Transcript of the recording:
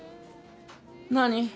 何？